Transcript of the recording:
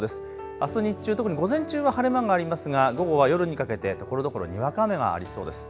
あす日中、特に午前中は晴れ間がありますが午後は夜にかけてところどころにわか雨がありそうです。